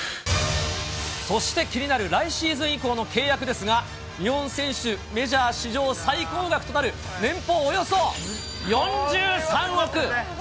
そして気になる来シーズン以降の契約ですが、日本選手メジャー史上最高額となる、夢がありますね。